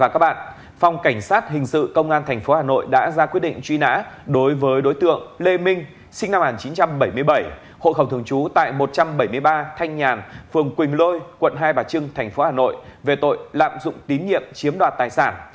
công an tp hcm đã ra quyết định truy nã đối với đối tượng lê minh sinh năm một nghìn chín trăm bảy mươi bảy hội khẩu thường trú tại một trăm bảy mươi ba thanh nhàn phường quỳnh lôi quận hai bà trưng tp hcm về tội lạm dụng tín nhiệm chiếm đoạt tài sản